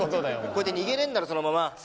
こうやって逃げれんだろそのまま。